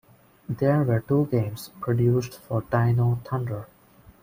There were two games produced for "Dino Thunder".